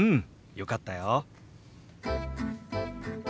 よかったよ。